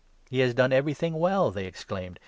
"He has done everything well!" they exclaimed.